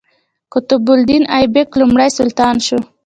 قطب الدین ایبک لومړی سلطان شو.